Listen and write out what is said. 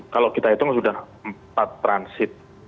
kalau kita hitung sudah empat transit